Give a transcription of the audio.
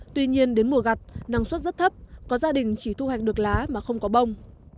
tuy nhiên đến mùa gặt năng suất rất thấp có gia đình chỉ thu hoạch được lá mà không có bông